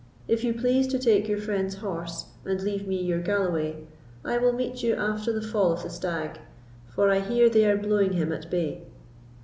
If you please to take your friend's horse, and leave me your galloway, I will meet you after the fall of the stag, for I hear they are blowing him at bay."